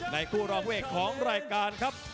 คู่รองผู้เอกของรายการครับ